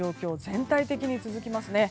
全体的に続きますね。